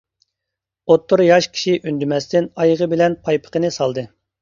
ئوتتۇرا ياش كىشى ئۈندىمەستىن ئايىغى بىلەن پايپىقىنى سالدى.